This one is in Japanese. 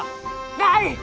ない！